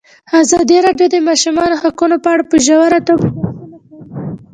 ازادي راډیو د د ماشومانو حقونه په اړه په ژوره توګه بحثونه کړي.